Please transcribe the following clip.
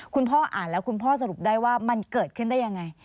คุณพ่ออ่านแล้วคุณพ่อสรุปได้ว่ามันเกิดขึ้นได้ยังไง